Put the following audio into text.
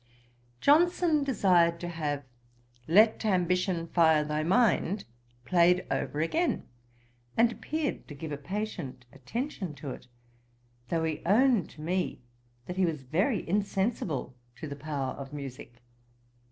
Johnson desired to have 'Let ambition fire thy mind,' played over again, and appeared to give a patient attention to it; though he owned to me that he was very insensible to the power of musick.